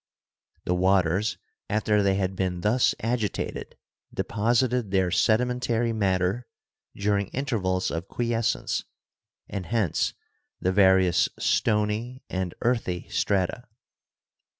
The waters, after they had been thus agitated, deposited their sedimentary matter during inter vals of quiescence, and hence the various stony and earthy strata.